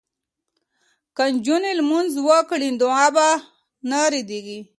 که نجونې لمونځ وکړي نو دعا به نه ردیږي.